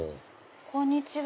こんにちは。